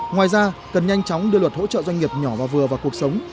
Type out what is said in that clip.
ngoài ra cần nhanh chóng đưa luật hỗ trợ doanh nghiệp nhỏ và vừa vào cuộc sống